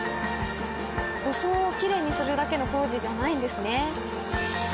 装をきれいにするだけの工事じゃないんですね。